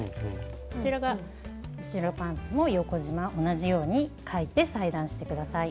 こちらが後ろパンツも横じま同じように描いて裁断して下さい。